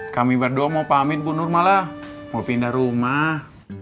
kami berdua mau pamit punur malah mau pindah rumah